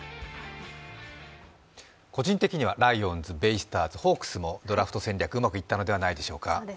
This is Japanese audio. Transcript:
個人的にはライオンズ、ベイスターズ、ホークスもドラフト戦略、うまくいったのではないでしょうか。